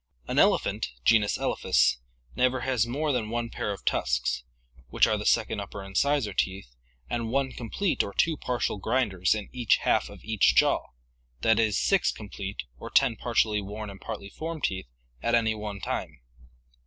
An elephant (genus Elephas) never has more than one pair of tusks, which are the second upper incisor teeth, and one complete or two partial grinders in each half of each jaw, that is, six complete or ten partially worn and partly formed teeth at any one time.